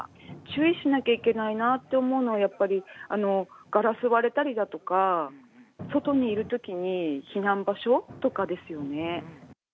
注意しないといけないなと思うのは、やっぱりガラス割れたりだとか、外にいるときに避難場所とかですよね。